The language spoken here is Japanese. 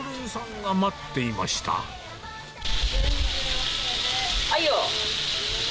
はいよ。